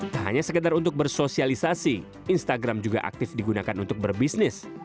tak hanya sekedar untuk bersosialisasi instagram juga aktif digunakan untuk berbisnis